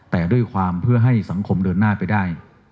แต่ด้วยความเพื่อให้สังคมเดินหน้าไปได้